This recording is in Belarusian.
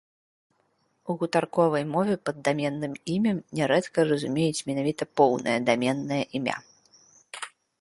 У гутарковай мове пад даменным імем нярэдка разумеюць менавіта поўнае даменнае імя.